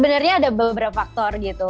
sebenarnya ada beberapa faktor gitu